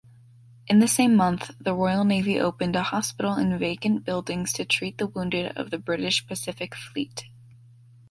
In the same month, the Royal Navy opened a hospital in vacant buildings to treat the wounded of the British Pacific Fleet.